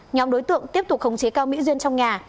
nhóm đối tượng tiếp tục khống chế cao mỹ duyên trong nhà